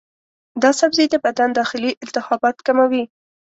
دا سبزی د بدن داخلي التهابات کموي.